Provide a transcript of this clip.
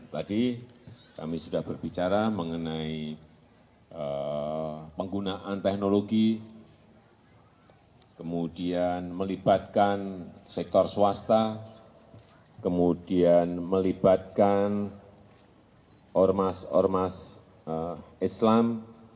penggunaan teknologi kemudian melibatkan sektor swasta kemudian melibatkan ormas ormas islam